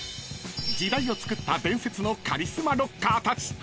［時代をつくった伝説のカリスマロッカーたち］